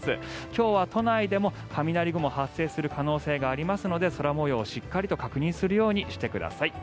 今日は都内でも雷雲が発生する可能性がありますので空模様をしっかり確認するようにしてください。